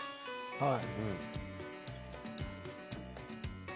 はい。